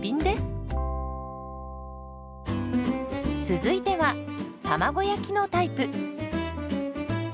続いては卵焼きのタイプ。